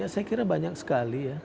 saya kira banyak sekali ya